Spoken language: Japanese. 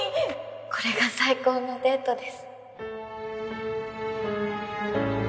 これが最高のデートです